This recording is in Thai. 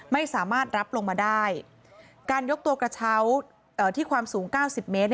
ไม่สามารถรับลงมาได้การยกตัวกระเช้าที่ความสูง๙๐เมตร